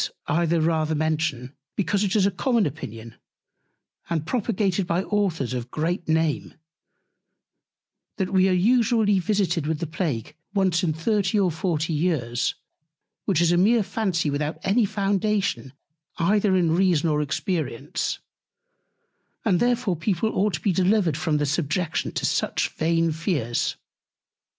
This I the rather mention, because it is a common Opinion, and propagated by Authors of great Name, that we are usually visited with the Plague once in 30 or 40 Years; which is a mere Fancy without any Foundation either in Reason or Experience: and therefore People ought to be delivered from the Subjection to such vain Fears.